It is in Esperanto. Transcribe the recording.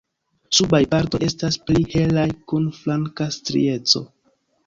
Subaj partoj estas pli helaj kun flanka strieco.